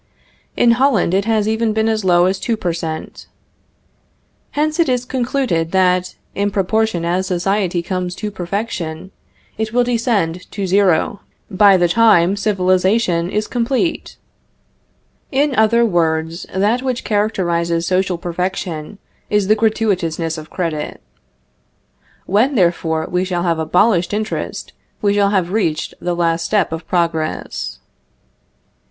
In Holland, it has even been as low as two per cent. Hence it is concluded, that "in proportion as society comes to perfection, it will descend to zero by the time civilization is complete. In other words, that which characterizes social perfection is the gratuitousness of credit. When, therefore, we shall have abolished interest, we shall have reached the last step of progress."